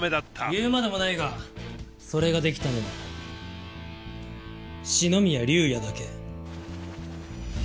言うまでもないがそれができたのは四ノ宮竜也だけ。